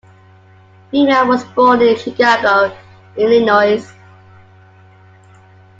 Freeman was born in Chicago, Illinois.